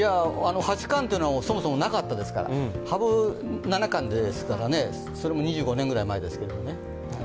八冠というのはそもそもなかったですから羽生七冠というのもありましたが、それも２５年ぐらい前ですけどね。